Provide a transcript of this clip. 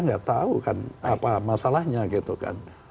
nggak tahu kan apa masalahnya gitu kan